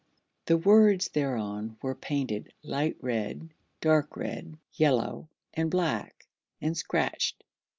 The words thereon were painted light red, dark red, yellow, and black, and scratched.